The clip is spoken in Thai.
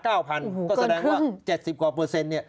๑๔๐๐๐มีปัญหา๙๐๐๐ก็แสดงว่า๗๐กว่าเปอร์เซ็นต์เนี่ย